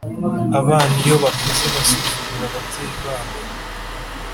abana iyo bakuze basuzugura ababyeyi babo